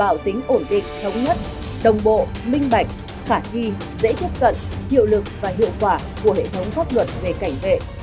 bảo tính ổn định thống nhất đồng bộ minh bạch khả thi dễ tiếp cận hiệu lực và hiệu quả của hệ thống pháp luật về cảnh vệ